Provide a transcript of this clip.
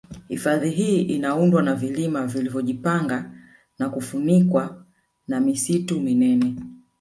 Hifadhi hii inaundwa na vilima vilivyojipanga na kufunikwa na misitu minene